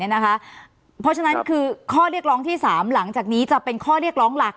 เพราะฉะนั้นคือข้อเรียกร้องที่๓หลังจากนี้จะเป็นข้อเรียกร้องหลัก